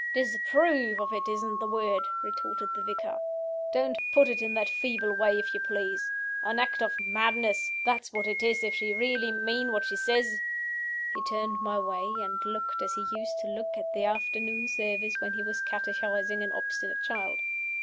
"'Disapprove of it' isn't the word," retorted the vicar. "Don't put it in that feeble way, if you please. An act of madness that's what it is, if she really mean what she says." He turned my way, and looked as he used to look at the afternoon service when he was catechising an obstinate child.